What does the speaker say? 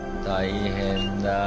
大変だ。